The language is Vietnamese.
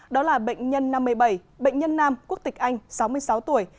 đó là bệnh nhân năm mươi bảy bệnh nhân nam quốc tịch anh sáu mươi sáu tuổi